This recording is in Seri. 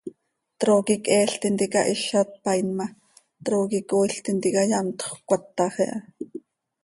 Trooqui cheel tintica hiza tpaain ma, trooqui cooil tintica yamtxö cöcatax iha.